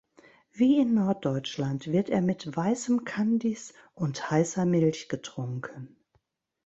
Wie in Norddeutschland wird er mit weißem Kandis und heißer Milch getrunken.